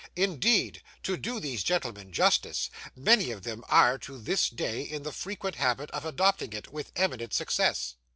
Indeed, to do these gentlemen justice, many of them are to this day in the frequent habit of adopting it, with eminent success.